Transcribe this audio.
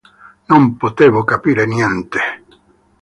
Non potevo capire niente.